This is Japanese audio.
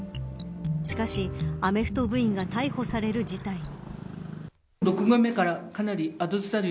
しかし、アメフト部員が逮捕される事態に。